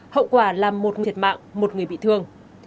hậu quả làm một thiệt mạng một người bị thương